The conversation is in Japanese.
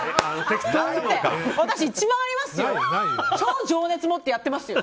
私、一番ありますよ。